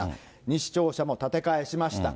西庁舎も建て替えしました。